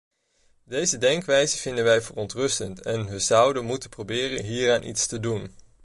Deze denkwijze vinden wij verontrustend en we zouden moeten proberen hieraan iets te doen.